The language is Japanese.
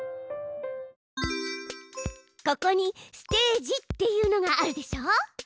ここに「ステージ」っていうのがあるでしょう。